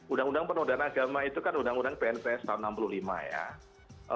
undang undang penodaan agama itu kan undang undang pnps tahun seribu sembilan ratus enam puluh lima ya